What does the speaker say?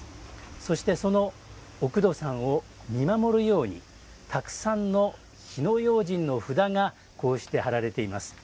そして、そのおくどさんを見守るようにたくさんの火迺要慎の札がこうして貼られています。